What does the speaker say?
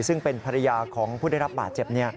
ซึ่งเป็นภรรยาของผู้ได้รับบาดเจ็บ